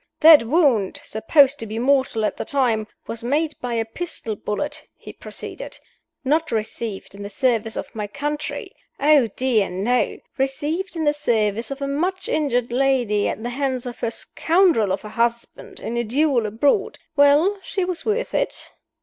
"That wound (supposed to be mortal at the time) was made by a pistol bullet," he proceeded. "Not received in the service of my country oh dear, no! Received in the service of a much injured lady, at the hands of her scoundrel of a husband, in a duel abroad. Well, she was worth it."